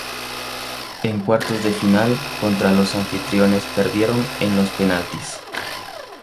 En cuartos de final contra los anfitriones perdieron en los penaltis.